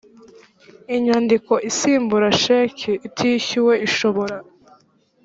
inyandiko isimbura sheki itishyuwe ishobora